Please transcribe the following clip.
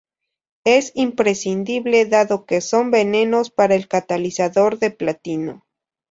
Es imprescindible dado que son venenos para el catalizador de platino.